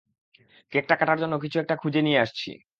কেকটা কাটার জন্য কিছু একটা খুঁজে নিয়ে আসছি।